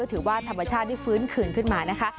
ถือว่าธรรมชาตินี่ฟื้นคืนขึ้นมานะคะ